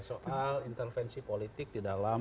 soal intervensi politik di dalam